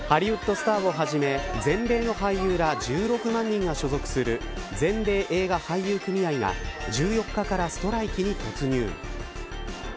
スターをはじめ全米の俳優ら１６万人が所属する全米映画俳優組合が１４日からストライキに突入。